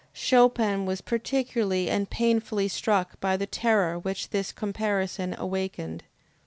Chopin was peculiarly and painfully struck by the terror which this comparison awakened.